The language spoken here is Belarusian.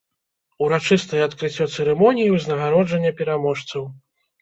Урачыстае адкрыццё цырымоніі ўзнагароджання пераможцаў.